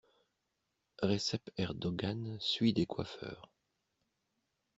Recep Erdogan suit des coiffeurs.